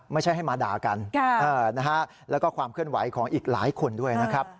ไม่ใช่ให้มาด่ากันแล้วก็ความเคลื่อนไหวของอีกหลายคนด้วยนะครับ